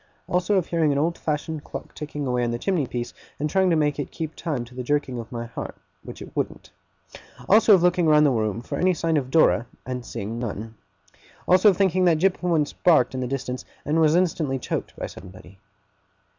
Also of hearing an old fashioned clock ticking away on the chimney piece, and trying to make it keep time to the jerking of my heart, which it wouldn't. Also of looking round the room for any sign of Dora, and seeing none. Also of thinking that Jip once barked in the distance, and was instantly choked by somebody.